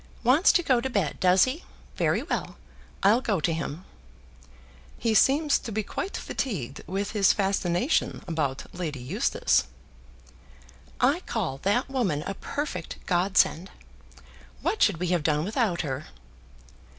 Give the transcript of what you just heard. "Wants to go to bed, does he? Very well. I'll go to him." "He seems to be quite fatigued with his fascination about Lady Eustace." "I call that woman a perfect God send. What should we have done without her?"